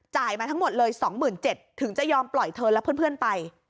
มาทั้งหมดเลย๒๗๐๐ถึงจะยอมปล่อยเธอและเพื่อนไป